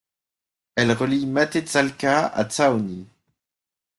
Elle relie Mátészalka à Záhony.